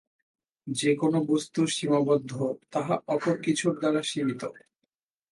যে-কোন বস্তু সীমাবদ্ধ, তাহা অপর কিছুর দ্বারা সীমিত।